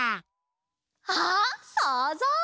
あっそうぞう！